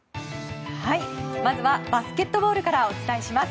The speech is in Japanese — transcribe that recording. まずはバスケットボールからお伝えします。